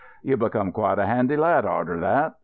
You become quite a handy lad arter that.